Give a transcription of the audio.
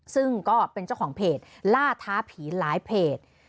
ซึ่งก็เป็นเจ้าของเพจล่าท้าผีหลายเพจ